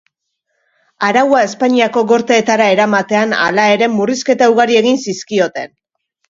Araua Espainiako Gorteetara eramatean, hala ere, murrizketa ugari egin zizkioten.